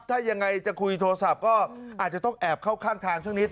ถ้ายังไงจะคุยโทรศัพท์ก็อาจจะต้องแอบเข้าข้างทางสักนิด